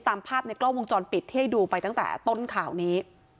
ตามภาพในกล้องวงจรปิดที่ให้ดูไปตั้งแต่ต้นข่าวนี้